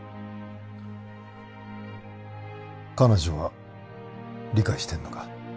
彼女は理解してんのか？